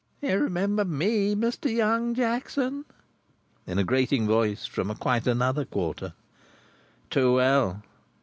"You remember Me, Mr. Young Jackson?" In a grating voice from quite another quarter. "Too well.